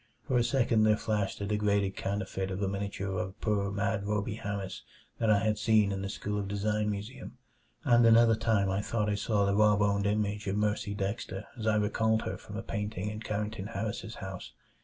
For a second there flashed a degraded counterfeit of a miniature of poor mad Rhoby Harris that I had seen in the School of Design museum, and another time I thought I caught the raw boned image of Mercy Dexter as I recalled her from a painting in Carrington Harris's house.